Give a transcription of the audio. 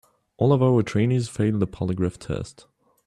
All of our trainees failed the polygraph test.